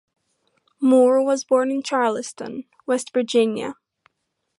Moore was born in Charleston, West Virginia.